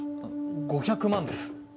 ５００万です。